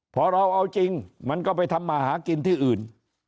พอเราเอาจริงมันก็ไปทำมาหากินที่อื่น